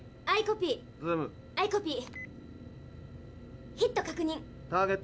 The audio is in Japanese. アイコピー。